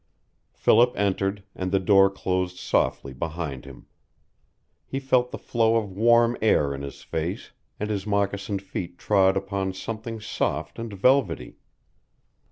Philip entered, and the door closed softly behind him. He felt the flow of warm air in his face, and his moccasined feet trod upon something soft and velvety.